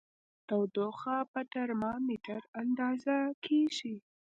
تودوخه په ترمامیتر اندازه کېږي.